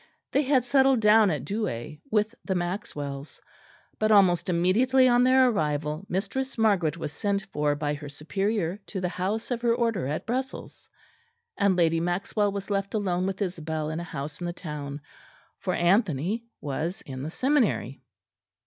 They had settled down at Douai with the Maxwells; but, almost immediately on their arrival, Mistress Margaret was sent for by her Superior to the house of her Order at Brussels; and Lady Maxwell was left alone with Isabel in a house in the town; for Anthony was in the seminary.